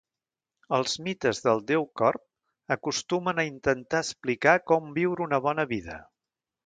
Els mites del déu corb acostumen a intentar explicar com viure una bona vida.